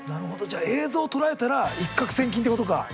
じゃあ映像を捉えたら一獲千金ってことか。